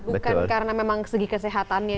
bukan karena memang segi kesehatannya